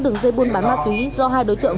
đường dây buôn bán ma túy do hai đối tượng